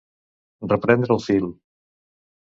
Reprendre el fil.